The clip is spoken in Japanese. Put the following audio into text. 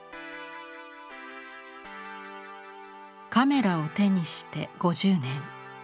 カメラを手にして５０年。